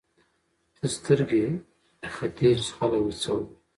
ته سترګې ختې چې خلک به څه وايي.